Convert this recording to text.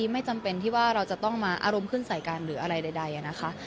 ไม่จำเป็นที่ว่าเราจะต้องมาอารมณ์ขึ้นใส่กันหรืออะไรใดนะคะ